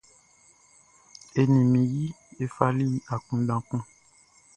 E ni mi yi e fali akunndan kun.